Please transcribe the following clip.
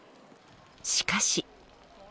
しかし。